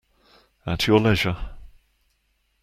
At your leisure.